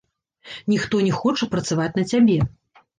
Ніхто не хоча працаваць на цябе.